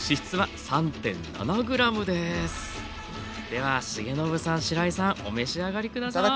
では重信さんしらいさんお召し上がり下さい。